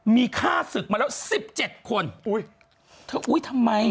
มีค่าศึกมาแล้ว๑๗คนเธอทำไม